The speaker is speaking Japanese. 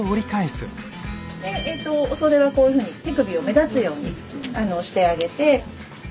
でお袖はこういうふうに手首を目立つようにしてあげて。